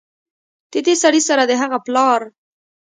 ددې سړي سره د هغه پلار